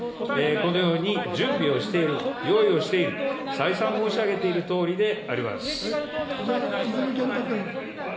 このように準備をしている、用意をしている、再三申し上げているとおりであります。